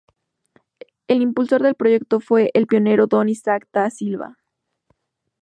El impulsor del proyecto fue el pionero Don Isaac Da Silva.